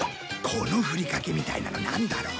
このふりかけみたいなのなんだろう？